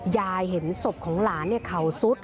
ยายเห็นศพของหลานเขาสุด